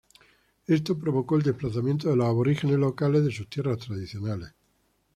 Esto provocó el desplazamiento de los aborígenes locales de sus tierras tradicionales.